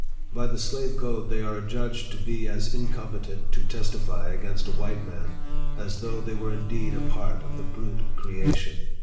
By the slave code, they are adjudged to be as incompetent to testify against a white man, as though they were indeed a part of the brute creation.